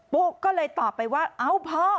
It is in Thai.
ุ๊กก็เลยตอบไปว่าเอ้าพ่อ